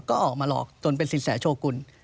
ก็ออกมาหลอกจนเป็นสินแสโชกุล